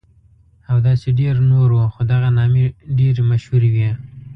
او داسې ډېر نور وو، خو دغه نامې ډېرې مشهورې وې.